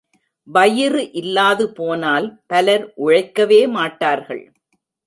வயிறு இல்லாது போனால் பலர் உழைக்கவே மாட்டார்கள்.